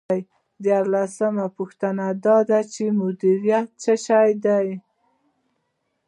دیارلسمه پوښتنه دا ده چې مدیریت څه شی دی.